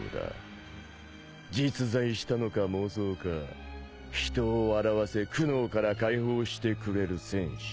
実在したのか妄想か人を笑わせ苦悩から解放してくれる戦士。